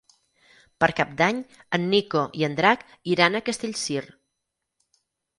Per Cap d'Any en Nico i en Drac iran a Castellcir.